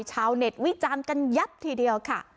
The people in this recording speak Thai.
ชาวเน็ตวิจารณ์กันยับทีเดียวค่ะ